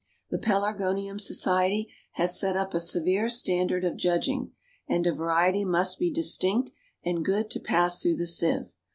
The Pelargonium Society has set up a severe standard of judging, and a variety must be distinct and good to pass through the sieve.